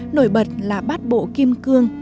nổi bật là bát bộ kim cương